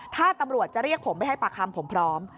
ถ้าตำรวจจะเรียกผมไปให้ปากคำผมพร้อม